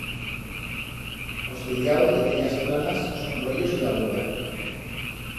Os tellaus, de tellas planas, son royos y d'agulla.